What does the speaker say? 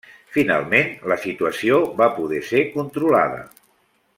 Finalment la situació va poder ser controlada.